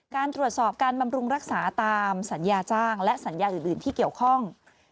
การตรวจสอบการบำรุงรักษาตามสัญญาจ้างและสัญญาอื่นที่เกี่ยวข้อง